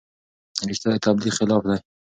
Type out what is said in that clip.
رښتیا د تبلیغ خلاف دي.